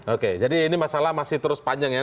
oke jadi ini masalah masih terus panjang ya